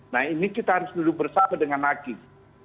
nah ini kita harus duduk bersama dengan hakim